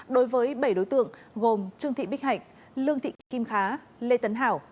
đối với bảy đối tượng gồm trương thị bích hạnh lương thị kim khá lê tấn hảo